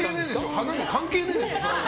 花に関係ねえでしょ。